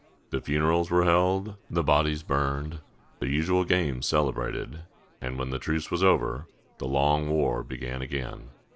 The funerals were held, the bodies burned, the usual games celebrated; and when the truce was over, the long war was begun again.